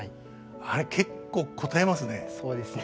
あれ結構こたえますね。